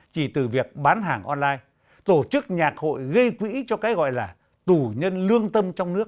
chỉ từ việc bán hàng online tổ chức nhạc hội gây quỹ cho cái gọi là tù nhân lương tâm trong nước